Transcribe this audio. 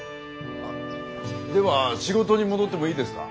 では仕事に戻ってもいいですか？